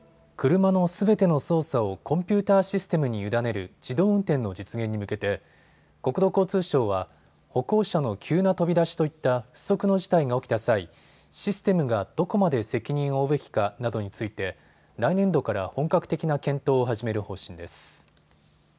車のすべての操作をコンピューターシステムに委ねる自動運転の実現に向けて国土交通省は歩行者の急な飛び出しといった不測の事態が起きた際、システムがどこまで責任を負うべきかなどについて来年度から本格的な検討を始める方針です。